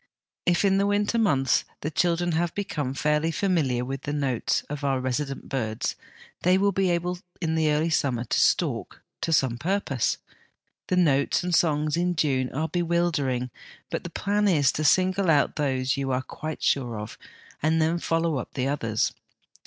If in the winter months the children have become fairly familiar with the notes of our resident birds, they will be able in the early summer to ' stalk ' to some purpose. The notes and songs in June are bewildering, but the plan is to single out those you are quite sure of, and then follow up the others.